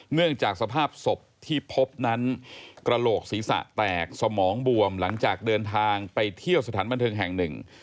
เนื่องจากสภาพศพที่พบนั้นกระโหลกศีรษะแตกสมองบวมหลังจากเดินทางไปเที่ยวสถานบันเทิงแห่งหนึ่ง